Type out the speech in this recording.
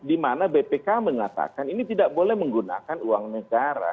dimana bpk mengatakan ini tidak boleh menggunakan uang negara